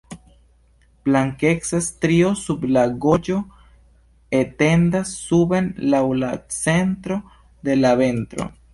Blankeca strio sub la gorĝo etendas suben laŭ la centro de la ventro.